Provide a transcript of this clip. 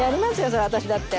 そりゃ私だって。